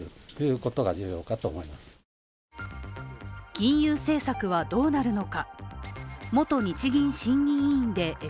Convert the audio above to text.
金融政策はどうなるのか。